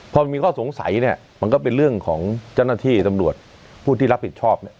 พอมีข้อสงสัยเนี่ยมันก็เป็นเรื่องของเจ้าหน้าที่ตำรวจผู้ที่รับผิดชอบเนี่ย